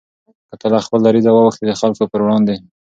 که ته له خپل دریځه واوښتې د خلکو پر وړاندې